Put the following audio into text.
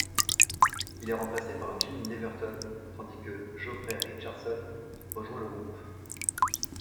Il est remplacé par Jim Leverton, tandis que Geoffrey Richardson rejoint le groupe.